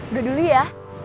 udah dulu ya